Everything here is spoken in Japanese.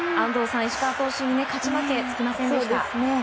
石川投手に勝ち負けつきませんでしたね、安藤さん。